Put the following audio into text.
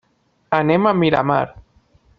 Anem a Miramar.